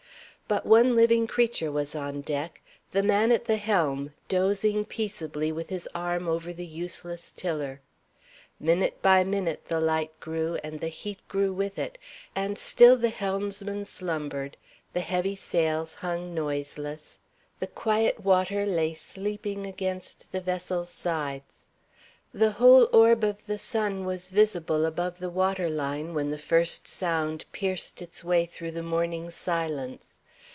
But one living creature was on deck the man at the helm, dozing peaceably with his arm over the useless tiller. Minute by minute the light grew, and the heat grew with it; and still the helmsman slumbered, the heavy sails hung noiseless, the quiet water lay sleeping against the vessel's sides. The whole orb of the sun was visible above the water line, when the first sound pierced its way through the morning silence.